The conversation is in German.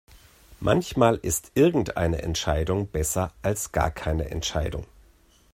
Manchmal ist irgendeine Entscheidung besser als gar keine Entscheidung.